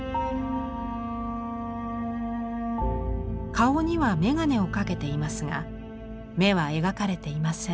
顔には眼鏡をかけていますが眼は描かれていません。